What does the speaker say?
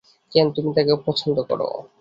কেন তুমি তাকে অপছন্দ করো?